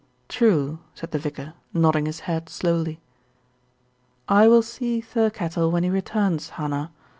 "True," said the vicar, nodding his head slowly. "I will see Thirkettle when he returns, Hannah.